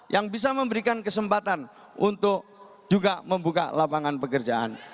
yang bisa memberikan kesempatan untuk juga membuka lapangan pekerjaan